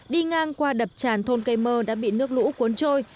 đi ngang qua đập tràn thôn cây mơ đã bị nước lũ cuốn trôi